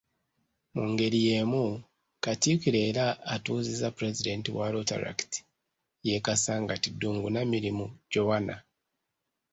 Mu ngeri y'emu, Katikkiro era atuuzizza Pulezidenti wa Rotaract ye Kasangati Ddungu Namirimu Joana.